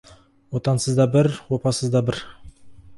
Отансыз да бір, опасыз да бір.